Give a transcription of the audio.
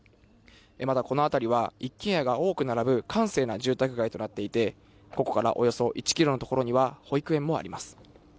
またこの辺りは一軒家が多く並ぶ閑静な住宅街となっていて、ここからおよそ１キロの所には保育園もあります。